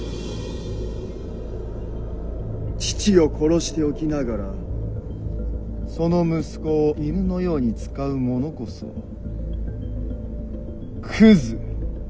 父を殺しておきながらその息子を犬のように使う者こそクズ。